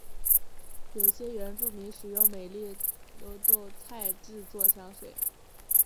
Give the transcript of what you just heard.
有些原住民使用美丽耧斗菜制作香水。